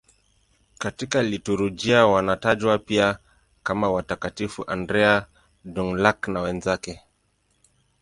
Katika liturujia wanatajwa pia kama Watakatifu Andrea Dũng-Lạc na wenzake.